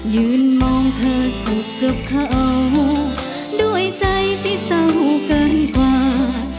ยืนมองเธอสุขกับเขาด้วยใจที่เศร้าเกินกว่า